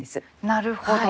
なるほど。